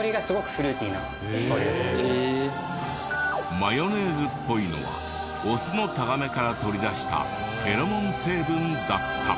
マヨネーズっぽいのはオスのタガメから取り出したフェロモン成分だった。